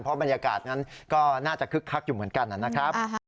เพราะบรรยากาศนั้นก็น่าจะคึกคักอยู่เหมือนกันนะครับ